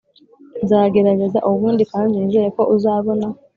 nzagerageza ubundi kandi nizere ko uzabona